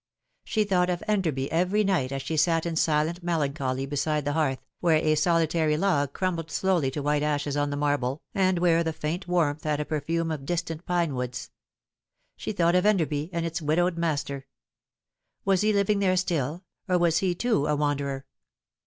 She thought of Enderby every night as she sat in silent melancholy beside the hearth, where a solitary log crumbled slowly to white ashes on the marble, and where the faint warmth had a perfume of distant pine woods ; she thought of Enderby and its widowed master. Was he living there still, or was he, too, a wanderer